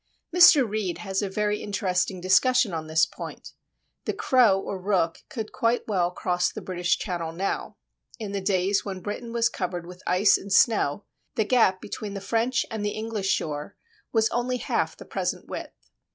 Mr. Reid has a very interesting discussion on this point. The crow or rook could quite well cross the British Channel now. In the days when Britain was covered with ice and snow, the gap between the French and the English shore was only half the present width.